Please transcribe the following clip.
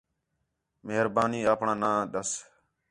مہربانی آپݨاں ناں ݙَس